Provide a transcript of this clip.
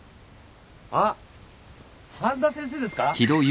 ・あっ半田先生ですか？